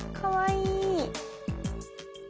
かわいい。